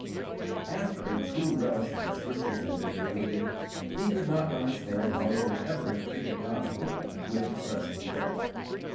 After a true relish for the Scriptures had been created, he could not understand how he could ever have treated God's Book with such neglect.